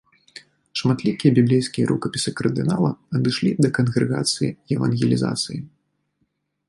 Шматлікія біблейскія рукапісы кардынала адышлі да кангрэгацыі евангелізацыі.